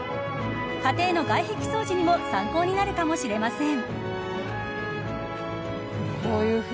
家庭の外壁掃除にも参考になるかもしれません。